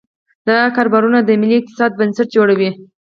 دا کاروبارونه د ملي اقتصاد بنسټ جوړوي.